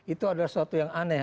itu adalah suatu yang aneh